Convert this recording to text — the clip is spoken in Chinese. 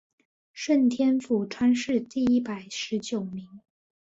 顺天府乡试第一百十九名。